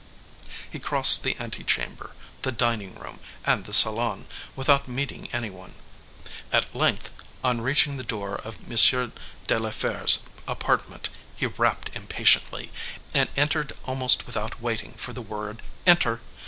He crossed the ante chamber, the dining room, and the salon, without meeting any one; at length, on reaching the door of M. de la Fere's apartment, he rapped impatiently, and entered almost without waiting for the word "Enter!"